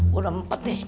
gua udah empet nih